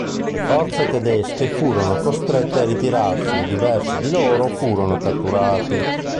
Le forze tedesche furono costrette a ritirarsi e diversi di loro furono catturati.